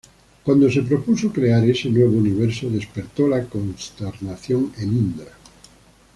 Cuando se propuso crear ese nuevo universo, despertó la consternación en Indra.